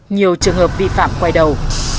nhiều trường hợp vi phạm quay đầu